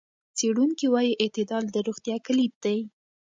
څېړونکي وايي اعتدال د روغتیا کلید دی.